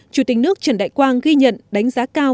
chủ tịch nước trần đại quang ghi nhận đánh giá cao